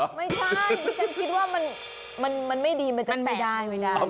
ไม่ใช่จนคิดว่ามันไม่ดีมันจะแสบ